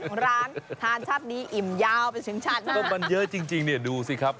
ทานชาตินี้อิ่มยาวไปถึงชาติหน้ามันเยอะจริงจริงเนี่ยดูสิครับ